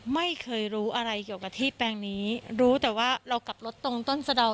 ไม่เคยรู้อะไรเกี่ยวกับที่แปลงนี้รู้แต่ว่าเรากลับรถตรงต้นสะดาว